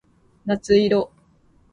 夏色